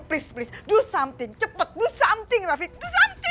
kamu tenang aja